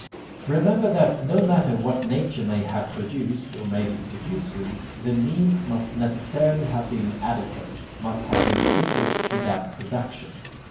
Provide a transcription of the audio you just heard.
Remember that no matter what nature may have produced or may be producing, the means must necessarily have been adequate, must have been FITTED TO THAT PRODUCTION.